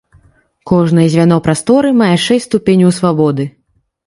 Кожнае звяно прасторы мае шэсць ступеняў свабоды.